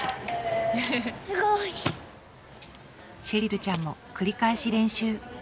シェリルちゃんも繰り返し練習。